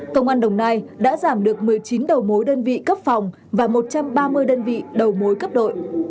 công an đồng nai đã giảm được một mươi chín đầu mối đơn vị cấp phòng và một trăm ba mươi đơn vị đầu mối cấp đội